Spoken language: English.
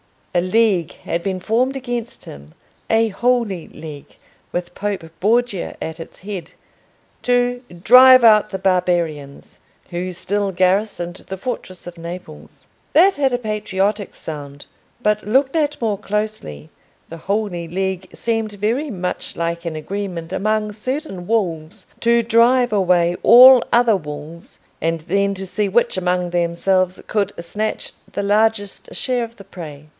A league had been formed against him—a Holy League, with Pope Borgia at its head—to "drive out the barbarians," who still garrisoned the fortress of Naples. That had a patriotic sound; but, looked at more closely, the Holy League seemed very much like an agreement among certain wolves to drive away all other wolves, and then to see which among themselves could snatch the largest share of the prey.